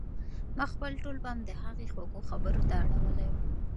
ما خپل ټول پام د هغې خوږو خبرو ته اړولی و.